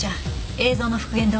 映像の復元どう？